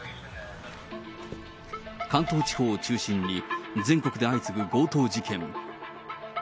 関東地方を中心に全国で相次ぐ強盗事件。